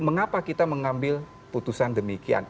mengapa kita mengambil putusan demikian